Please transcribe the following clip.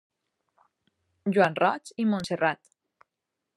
Joan Roig i Montserrat.